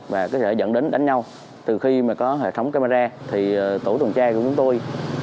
và có thể dẫn đến đánh nhau từ khi mà có hệ thống camera thì tổ tuần tra của chúng tôi